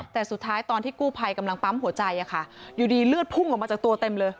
แต่สุดท้ายตอนที่กู้ภัยกำลังปั๊มหัวใจอยู่ดีเลือดพุ่งออกมาจากตัวเต็มเลย